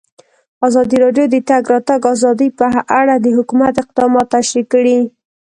ازادي راډیو د د تګ راتګ ازادي په اړه د حکومت اقدامات تشریح کړي.